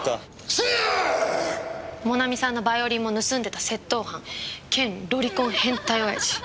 そいやー！もなみさんのバイオリンも盗んでた窃盗犯。兼ロリコン変態オヤジ。